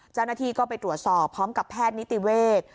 เจ้าหน้าที่ก็ไปตรวจสอบพร้อมกับแพทย์นิติเวศ